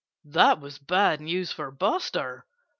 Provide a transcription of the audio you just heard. That was bad news for Buster.